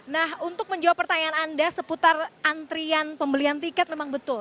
nah untuk menjawab pertanyaan anda seputar antrian pembelian tiket memang betul